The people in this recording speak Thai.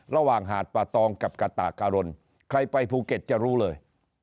ระหว่างหาดปะตองกับกะตากะลนใครไปภูเก็ตจะรู้เลย